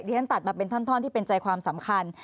ฉันตัดมาเป็นท่อนที่เป็นใจความสำคัญ